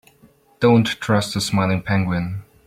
Don't trust the smiling penguin.